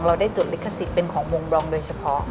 เราได้จดลิขสิทธิ์เป็นของมงดรองโดยเฉพาะ